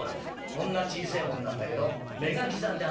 こんな小せえもんなんだけど目が刻んであんだろ？